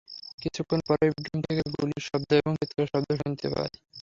কিছুক্ষণ পরেই বেডরুম থেকে গুলির শব্দ এবং চিৎকারের শব্দ শুনতে পাই।